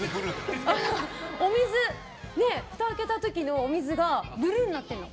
お水ね、ふたを開けた時の水がブルーになってるの。